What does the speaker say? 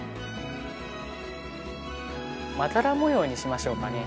まだら模様にしましょうかね。